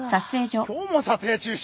今日も撮影中止？